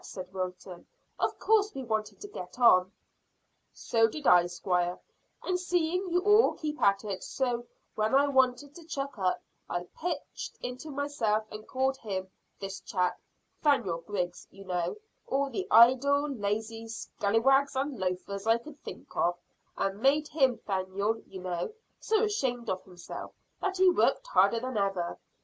said Wilton. "Of course we wanted to get on." "So did I, squire, and seeing you all keep at it so when I wanted to chuck up, I pitched into myself and called him this chap, 'Thaniel Griggs, you know all the idle, lazy scallywags and loafers I could think of, and made him 'Thaniel, you know so ashamed of himself that he worked harder than ever.